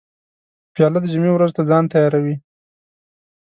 پیاله د جمعې ورځو ته ځان تیاروي.